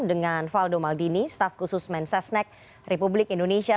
dengan faldo maldini staf khusus mensesnek republik indonesia